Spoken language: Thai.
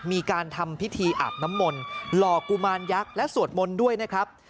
มีการทำพิธีอาบน้ำมนต์หล่อกุมารยักษ์และสวดมนต์ด้วยนะครับ